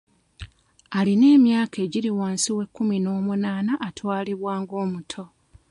Alina emyaka egiri wansi w'ekkumi n'omunaana atwalibwa ng'omuto.